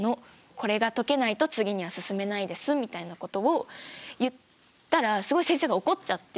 これが解けないと次には進めないですみたいなことを言ったらすごい先生が怒っちゃって。